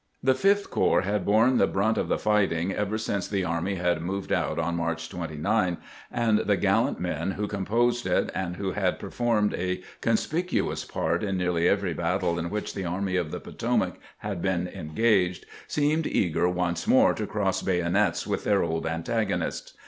The Fifth Corps had borne the brunt of the fighting ever since the army had moved out on March 29 ; and the gallant men who composed it, and who had per formed a conspicuous part in nearly every battle in which the Army of the Potomac had been engaged, seemed eager once more to cross bayonets with their old antagonists.